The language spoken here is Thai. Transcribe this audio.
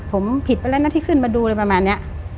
ผมผิดไปแล้วนะที่ขึ้นมาดูอะไรประมาณนี้